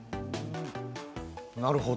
なるほど。